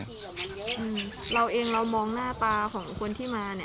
อืมเราเองเรามองหน้าตาของคนที่มาเนี้ย